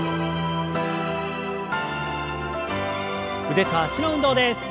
腕と脚の運動です。